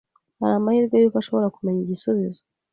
Hari amahirwe yuko ashobora kumenya igisubizo.